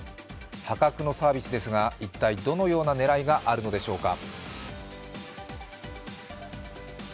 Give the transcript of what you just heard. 破格のサービスですが、一体、どのような狙いがあるのでしょうか？